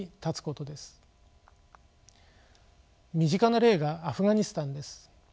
身近な例がアフガニスタンです。